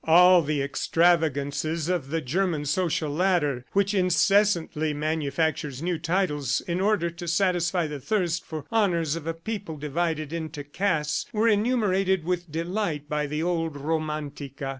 All the extravagances of the German social ladder, which incessantly manufactures new titles in order to satisfy the thirst for honors of a people divided into castes, were enumerated with delight by the old Romantica.